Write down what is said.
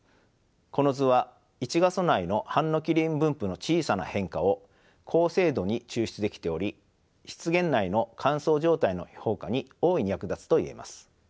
この図は１画素内のハンノキ林分布の小さな変化を高精度に抽出できており湿原内の乾燥状態の評価に大いに役立つといえます。